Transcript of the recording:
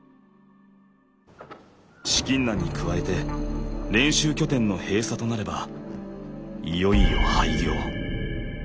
資金難に加えて練習拠点の閉鎖となればいよいよ廃業。